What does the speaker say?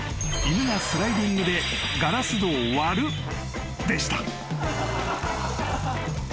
スライディングでガラス戸を割るか。